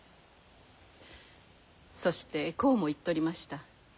そしてこうも言っとりました。